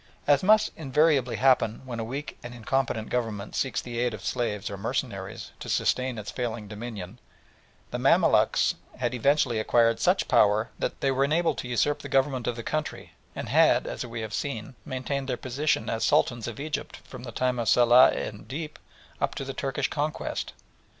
As must invariably happen when a weak and incompetent Government seeks the aid of slaves or mercenaries to sustain its failing dominion, the Mamaluks had eventually acquired such power that they were enabled to usurp the government of the country, and had, as we have seen, maintained their position as Sultans of Egypt from the time of Salah ed Deen up to the Turkish conquest.